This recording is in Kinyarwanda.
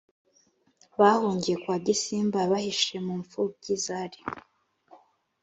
bahungiye kwa gisimba yabahishe mu mfubyi zari